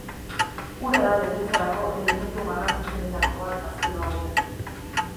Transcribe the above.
Ura da defentsarako elementu garrantzitsuenetako bat gaztelu hauetan.